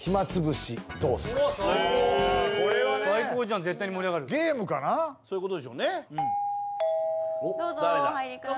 最高じゃん絶対に盛り上がるそういうことでしょうねどうぞお入りください